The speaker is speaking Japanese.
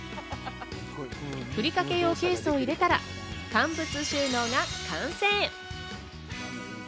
ふりかけをケースに入れたら乾物収納が完成。